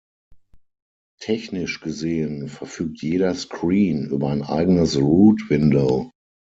Technisch gesehen verfügt jeder Screen über ein eigenes Root-Window.